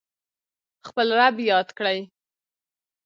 خپل رب یاد کړئ